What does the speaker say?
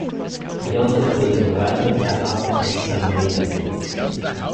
It also includes a variety of aircraft on anti-submarine patrols.